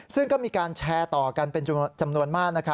ซึ่งก็มีการแชร์ต่อกันเป็นจำนวนมาก